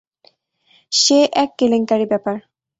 সে এক কেলেঙ্কারি ব্যাপার।